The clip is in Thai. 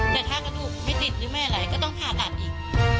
แต่ถ้ากระดูกไม่ติดหรือไม่ไหลก็ต้องผ่าตัดอีก